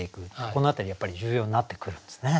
この辺りやっぱり重要になってくるんですね。